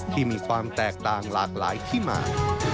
ที่มีความแตกต่างหลากหลายที่มา